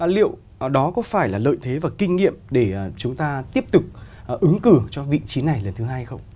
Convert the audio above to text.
liệu đó có phải là lợi thế và kinh nghiệm để chúng ta tiếp tục ứng cử cho vị trí này lần thứ hai hay không